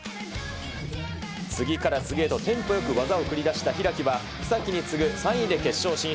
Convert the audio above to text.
次から次へとテンポよく技を繰り出した開は、草木に次ぐ３位で決勝進出。